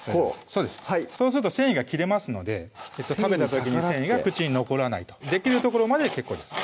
そうですそうすると繊維が切れますので食べた時に繊維が口に残らないできるところまでで結構です